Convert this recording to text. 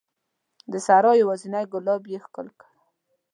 د سرای یوازینی ګلاب یې ښکل کړ